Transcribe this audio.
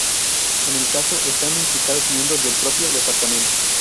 En el caso están implicados miembros del propio departamento.